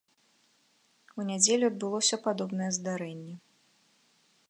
У нядзелю адбылося падобнае здарэнне.